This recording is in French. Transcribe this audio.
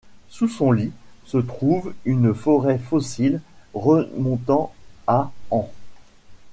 Sous son lit se trouve une forêt fossile remontant à ans.